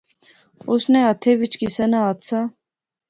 اس نے ہتھے وچ کسے نا ہتھ سا